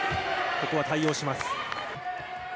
ここは対応します。